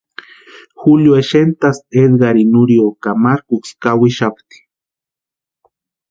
Julio xentasti Edgarini Nurio ka markuksï kawixapti.